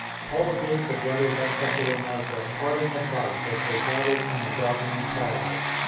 Paul gave the Brothers at Thessalonica parting advice as they gathered in the darkening twilight.